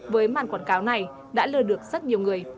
với màn quảng cáo này đã lừa được rất nhiều người